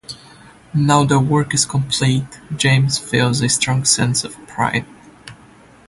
Now that the work is complete, James feels a strong sense of pride.